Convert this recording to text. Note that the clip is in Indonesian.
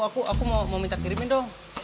aku aku mau minta kirimin dong